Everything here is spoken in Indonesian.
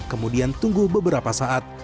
kemudian tunggu beberapa saat